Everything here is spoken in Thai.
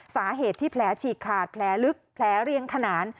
สาเหตุที่แผลฉีกขาดแผลลึกแผลเรียงขนาน